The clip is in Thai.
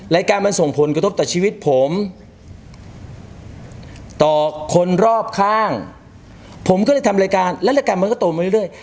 รายการมันส่งผลกระทบต่อชีวิตผมต่อคนรอบข้างผมก็เลยทำรายการและรายการมันก็โตมาเรื่อย